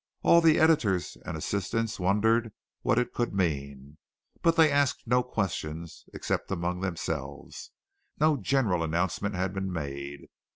All the editors and assistants wondered what it could mean, but they asked no questions, except among themselves. No general announcement had been made.